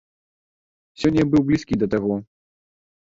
Сёння я быў блізкі да таго.